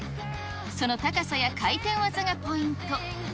その高さや回転技がポイント。